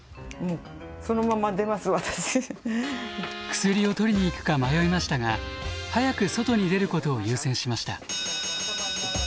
薬を取りに行くか迷いましたが早く外に出ることを優先しました。